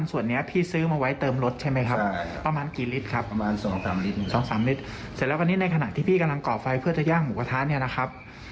สองสามลิตรครับสองสามลิตรเสร็จแล้วกันในขณะที่พี่กำลังก่อไฟเพื่อจะย่างหมูกระท้าเนี่ยนะครับ